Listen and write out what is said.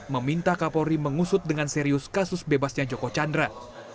meminta kapolri mengusut dengan serius kasus bebasnya joko chandra